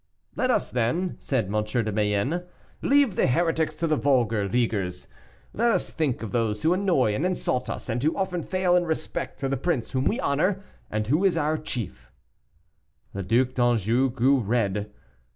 "Let us, then," said M. de Mayenne, "leave the heretics to the vulgar leaguers; let us think of those who annoy and insult us, and who often fail in respect to the prince whom we honor, and who is our chief." The Duc d'Anjou grew red.